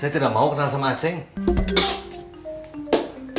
saya tidak mau kenal sama aceh